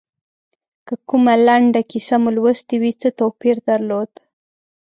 که کومه لنډه کیسه مو لوستي وي څه توپیر درلود.